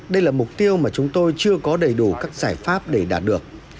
đây là mục tiêu mà chúng tôi chưa có đầy đủ các giải pháp để đạt được